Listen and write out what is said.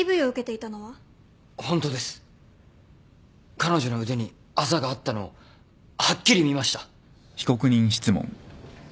彼女の腕にあざがあったのをはっきり見ました。